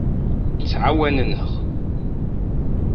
Ttɛawanen-aɣ.